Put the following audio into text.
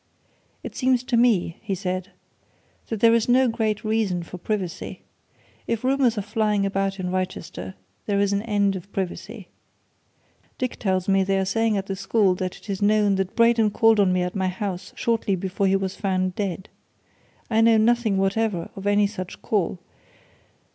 "It seems to me," he said, "that there is no great reason for privacy. If rumours are flying about in Wrychester, there is an end of privacy. Dick tells me they are saying at the school that it is known that Braden called on me at my house shortly before he was found dead. I know nothing whatever of any such call!